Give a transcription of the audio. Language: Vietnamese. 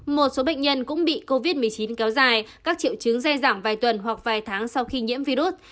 một số bệnh nhân cũng bị covid một mươi chín kéo dài các triệu chứng dê giảm vài tuần hoặc vài tháng sau khi nhiễm virus